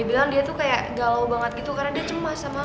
dia bilang dia tuh kayak galau banget gitu karena dia cemas